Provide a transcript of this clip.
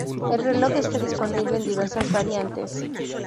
El reloj está disponible en diversas variantes.